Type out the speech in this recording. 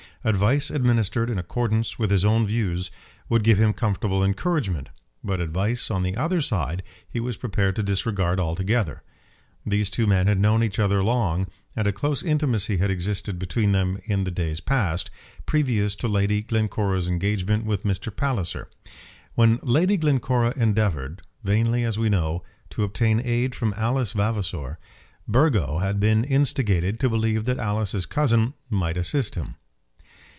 Advice administered in accordance with his own views would give him comfortable encouragement, but advice on the other side he was prepared to disregard altogether. These two men had known each other long, and a close intimacy had existed between them in the days past, previous to Lady Glencora's engagement with Mr. Palliser. When Lady Glencora endeavoured, vainly as we know, to obtain aid from Alice Vavasor, Burgo had been instigated to believe that Alice's cousin might assist him.